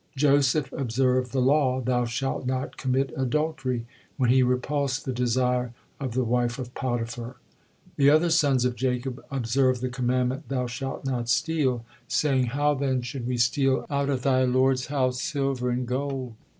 Joseph observed the law: 'Thou shalt not commit adultery,' when he repulsed the desire of the wife of Potiphar. The other sons of Jacob observed the commandment: 'Thou shalt not steal,' saying: 'How then should we steal out of thy lord's house silver and gold?'